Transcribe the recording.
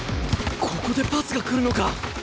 ここでパスが来るのか！